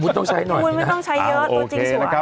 คุณไม่ต้องใช้เยอะตัวจริงสวยโอเคนะครับ